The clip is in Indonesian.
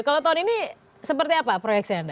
kalau tahun ini seperti apa proyeksi anda